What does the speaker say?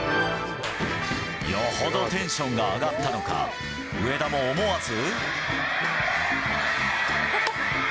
よほどテンションが上がったのか、上田も思わず。